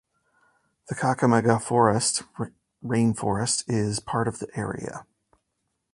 The Kakamega Forest rainforest is part of the area.